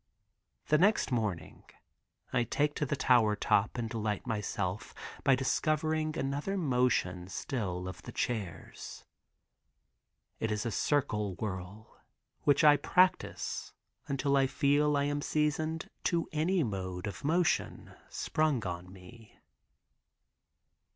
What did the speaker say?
The next morning I take to the tower top and delight myself by discovering another motion still of the chairs. It is a circle whirl which I practice until I feel I am seasoned to any mode of motion sprung on me.